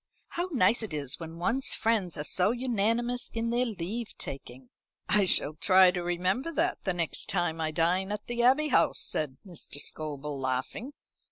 How nice it is when one's friends are so unanimous in their leave taking." "I shall try to remember that the next time I dine at the Abbey House," said Mr. Scobel laughing.